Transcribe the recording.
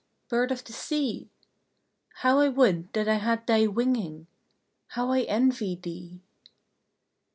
bird of the sea! How I would that I had thy winging How I envy thee!